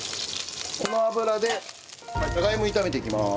この油でじゃがいも炒めていきます。